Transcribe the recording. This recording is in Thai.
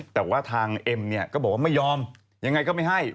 แต่ว่าทางเอ็มเนี่ยก็บอกว่าไม่ยอมยังไงก็ไม่ให้